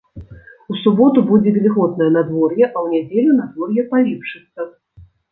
У суботу будзе вільготнае надвор'е, а ў нядзелю надвор'е палепшыцца.